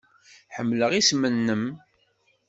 Ḥemmleɣ isem-nnem.